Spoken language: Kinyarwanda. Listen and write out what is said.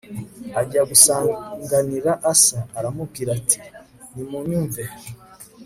ajya gusanganira Asa aramubwira ati Nimunyumve